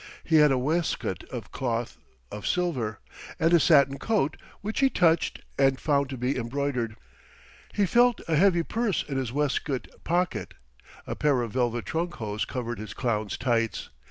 He had a waistcoat of cloth of silver; and a satin coat, which he touched and found to be embroidered. He felt a heavy purse in his waistcoat pocket. A pair of velvet trunk hose covered his clown's tights.